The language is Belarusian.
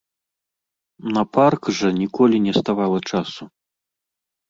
На парк жа ніколі не ставала часу.